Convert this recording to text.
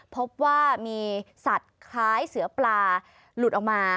พบว่ามีสัตว์คล้ายเสือปลาหลุดออกมา